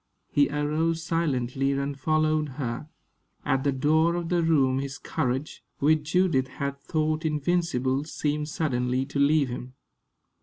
He arose silently and followed her. At the door of the room his courage, which Judith had thought invincible, seemed suddenly to leave him.